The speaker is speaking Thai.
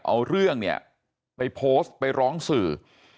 เอาเรื่องเนี่ยไปโพสต์ไปร้องสื่อ